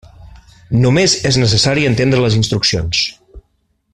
Només és necessari entendre les instruccions.